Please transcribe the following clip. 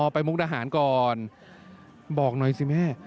อ๋อไปมุกรหาญก่อนบอกหน่อยสิแม่